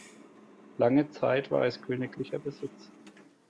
Lange Zeit war es königlicher Besitz.